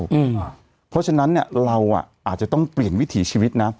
เพราะฉะนั้นเนี่ยเราอาจจะต้องเปลี่ยนวิถีชีวิตนะ